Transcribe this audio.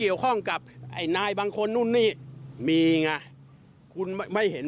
พวกนี้เขาจะไปให้ไหมดเด็ก